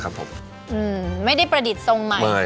ก้าวเบื้องก้าว